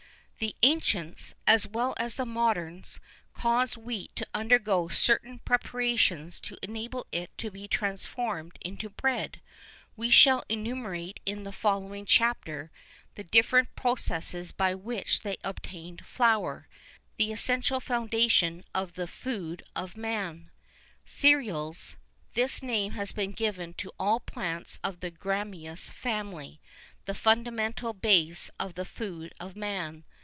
[II 42] The ancients, as well as the moderns, caused wheat to undergo certain preparations to enable it to be transformed into bread, we shall enumerate in the following chapter the different processes by which they obtained flour, the essential foundation of the food of man. Cereals. This name has been given to all plants of the gramineous family, the fundamental base of the food of man.